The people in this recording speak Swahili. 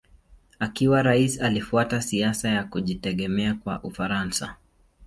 Akiwa rais alifuata siasa ya kujitegemea kwa Ufaransa.